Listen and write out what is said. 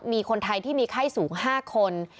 มีคนไทยที่มีไข้สูง๕คน